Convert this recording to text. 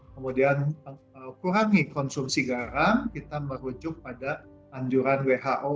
kemudian kurangi konsumsi garam kita merujuk pada anjuran who